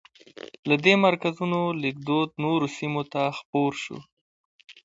له دې مرکزونو لیکدود نورو سیمو ته خپور شو.